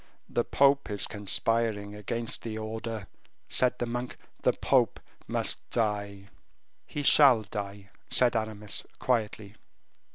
"The pope is conspiring against the order," said the monk; "the pope must die." "He shall die," said Aramis, quietly.